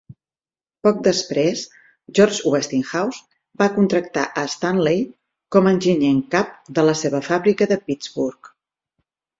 Poc després George Westinghouse va contractar a Stanley con a enginyer en cap de la seva fàbrica de Pittsburgh.